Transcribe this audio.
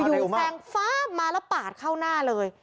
แซงฟ้ามาแล้วปาดเข้าหน้าเลย